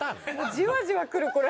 じわじわくるこれ。